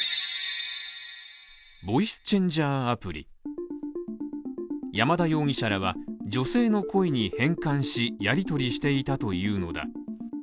ボイスチェンジャーアプリ山田容疑者らは女性の声に変換し、やりとりしていたというのだ。